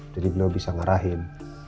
jadi belum bisa ngarahin